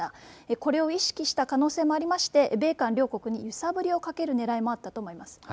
これを意識した可能性もありまして米韓両国に揺さぶりをかけるねらいもあったと思います。